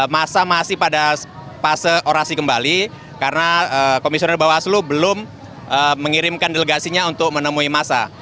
masa masih pada fase orasi kembali karena komisioner bawaslu belum mengirimkan delegasinya untuk menemui masa